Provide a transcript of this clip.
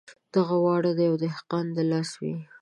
دغه واړه د یوه دهقان د لاس وې.